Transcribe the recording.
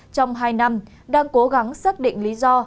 trong hai năm đang cố gắng xác định lý do